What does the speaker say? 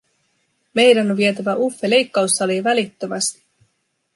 "Meidän on vietävä Uffe leikkaussalii välittömästi!"